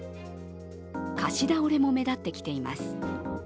貸し倒れも目立ってきています。